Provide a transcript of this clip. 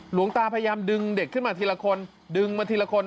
หลวงตาพยายามดึงเด็กขึ้นมาทีละคนดึงมาทีละคน